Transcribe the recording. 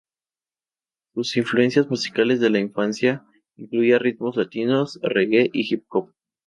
Sus influencias musicales de la infancia incluían ritmos latinos, reggae, y hip hop.